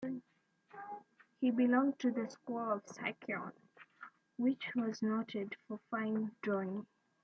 He belonged to the school of Sicyon, which was noted for fine drawing.